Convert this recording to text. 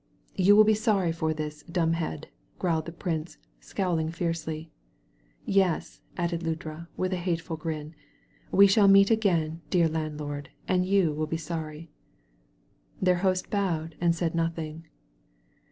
"You wiU be sorry for this, dumbhead, growled the prince, scowling fiercely. "Yes, added Ludra, with a hateful grin, "we shall meet again, dear landlord, and you will be sorry. Their host bowed and said nothing.